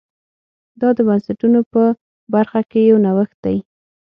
دا د بنسټونو په برخه کې یو نوښت دی